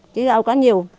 chứ đâu có nhiều